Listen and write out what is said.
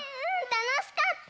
たのしかった！